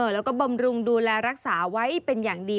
แล้วก็บำรุงดูแลรักษาไว้เป็นอย่างดี